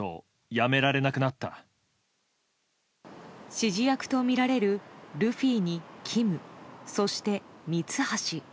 指示役とみられるルフィにＫＩＭ、そしてミツハシ。